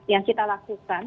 yang kita lakukan